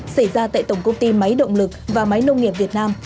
xảy ra tại tổng công ty máy động lực và máy nông nghiệp việt nam